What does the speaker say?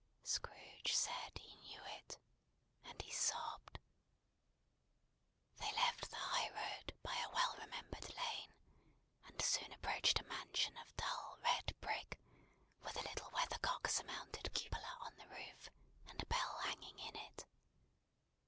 Scrooge said he knew it. And he sobbed. They left the high road, by a well remembered lane, and soon approached a mansion of dull red brick, with a little weathercock surmounted cupola, on the roof, and a bell hanging in it.